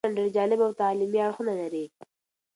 دا نوی فلم ډېر جالب او تعلیمي اړخونه لري.